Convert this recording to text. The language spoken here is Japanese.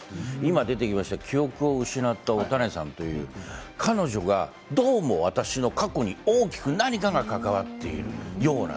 今出てきた記憶を失ったおたねさんという彼女がどうも私の過去に大きく何かが関わっている。